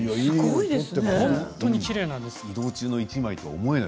本当にきれいなんです。